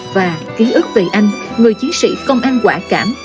và ký ức về anh người chiến sĩ công an quả cảm